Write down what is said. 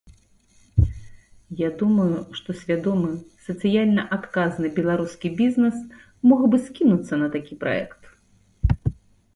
Я думаю, што свядомы, сацыяльна адказны беларускі бізнес мог бы скінуцца на такі праект.